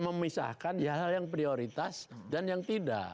memisahkan yang prioritas dan yang tidak